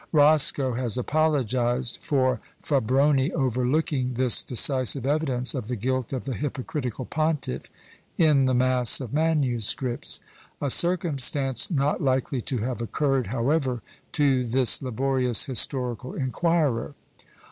Roscoe has apologised for Fabroni overlooking this decisive evidence of the guilt of the hypocritical pontiff in the mass of manuscripts; a circumstance not likely to have occurred, however, to this laborious historical inquirer.